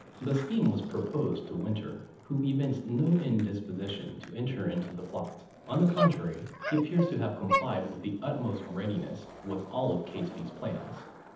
The scheme was proposed to Winter, who evinced no indisposition to enter into the plot: on the contrary, he appears to have complied, with the utmost readiness, with all Catesby's plans.